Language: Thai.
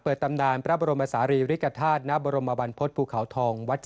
เปิดตำนานพระบรมศาลีริกษาธนบรมบันพฤษภูเขาทองวัดสะเกด